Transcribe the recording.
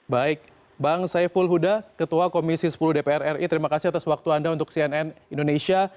baik bang saiful huda ketua komisi sepuluh dpr ri terima kasih atas waktu anda untuk cnn indonesia